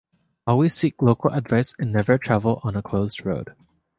Always seek local advice and never travel on a closed road.